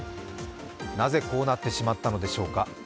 なぜこうなってしまったのでしょうか。